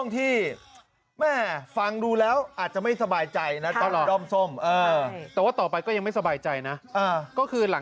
ทำไมไม่สบายใจอ่ะ